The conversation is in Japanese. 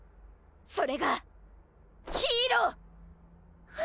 それがヒーロー！